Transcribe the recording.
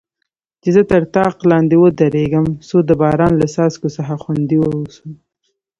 چې زه تر طاق لاندې ودریږم، څو د باران له څاڅکو څخه خوندي واوسم.